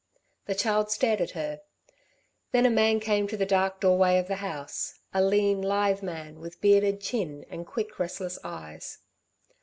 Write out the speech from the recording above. The child stared at her. Then a man came to the dark doorway of the house, a lean, lithe man, with bearded chin and quick restless eyes.